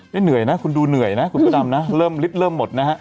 นี่เหนื่อยนะคุณดูเหนื่อยนะคุณพุดำนะลิตเริ่มหมดนะ